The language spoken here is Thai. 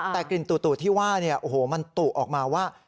แต่กลิ่นตูดตูดที่ว่าโอ้โหมันตูดออกมาว่า